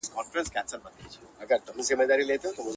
o ادب له بې ادبو زده کېږي!